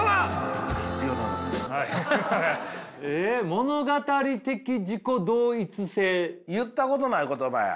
物語的自己同一性。言ったことない言葉や。